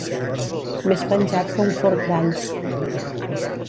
Més penjat que un forc d'alls.